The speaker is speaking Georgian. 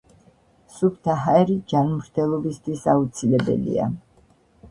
სუფთა ჰაერი ჯანმრთელობისთვის აუცილებელია